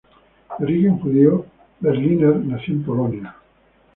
De origen judío, Berliner nació en Polonia.